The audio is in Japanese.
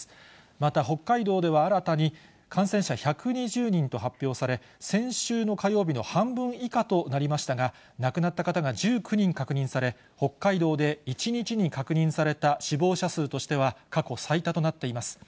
また、北海道では新たに、感染者１２０人と発表され、先週の火曜日の半分以下となりましたが、亡くなった方が１９人確認され、北海道で１日に確認された死亡者数としては過去最多となっています。